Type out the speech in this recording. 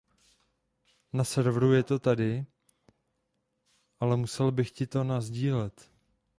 Na serveru je to tady, ale musel bych ti to nasdílet.